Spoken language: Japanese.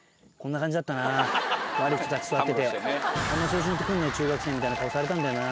あんま調子乗ってくんなよ中学生みたいな顔されたんだよな。